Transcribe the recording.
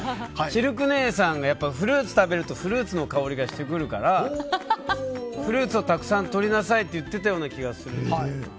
シルク姉さんがやっぱりフルーツ食べるとフルーツの香りがしてくるからフルーツをたくさん取りなさいって言ってたような気がする。